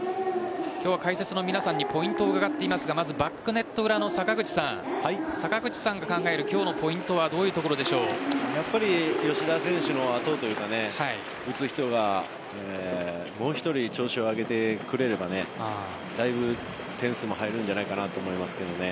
今日は解説の皆さんにポイントを伺っていますがまずバックネット裏の坂口さん坂口さんが考える今日のポイントはやっぱり吉田選手の後というか打つ人がもう１人調子を上げてくれればだいぶ点数も入るんじゃないかなと思いますけどね。